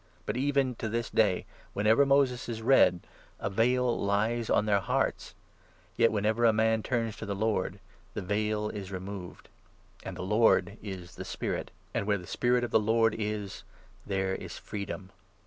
But, even to this 15 day, whenever Moses is read, a Veil lies on their hearts. ' Yet, 16 whenever a man turns to the Lord, the veil is removed.' And 17 the ' Lord ' is the Spirit, and, where the Spirit of the Lord is, there is freedom.